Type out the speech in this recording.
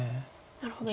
なるほど。